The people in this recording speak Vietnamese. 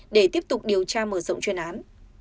để tiếp tục điều tra mở rộng chuyên án